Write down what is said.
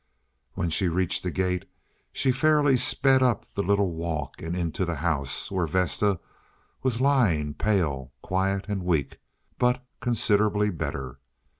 When she reached the gate she fairly sped up the little walk and into the house, where Vesta was lying pale, quiet, and weak, but considerably better.